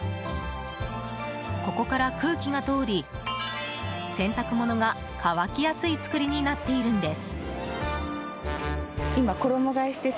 ここから空気が通り洗濯物が乾きやすい作りになっているんです。